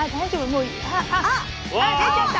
もう。出ちゃった！